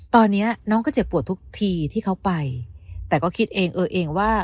ตอนนี้น้องก็เจ็บปวดทุกทีที่เขาไปแต่ก็คิดเองเออเองว่า